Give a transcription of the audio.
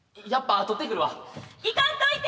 行かんといて！